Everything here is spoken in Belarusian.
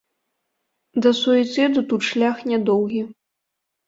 Да суіцыду тут шлях нядоўгі.